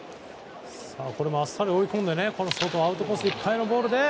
あっさり追い込んでアウトコースいっぱいのボールで。